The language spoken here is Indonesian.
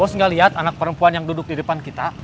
bos nggak lihat anak perempuan yang duduk di depan kita